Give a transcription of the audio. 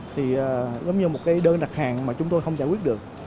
thì giống như một cái đơn đặt hàng mà chúng tôi không giải quyết được